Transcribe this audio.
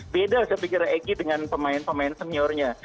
beda saya pikir egy dengan pemain pemain seniornya